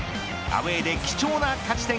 アウェーで貴重な勝ち点